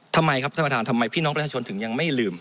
ทำไมครับท่านประธานทำไมพี่น้องประชาชนถึงยังไม่ลืม